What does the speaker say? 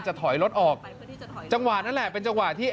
ถอยรถออกจังหวะนั่นแหละเป็นจังหวะที่